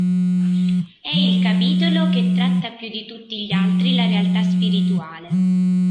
È il capitolo che tratta più di tutti gli altri la realtà spirituale.